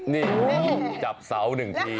นี่จับเสาหนึ่งที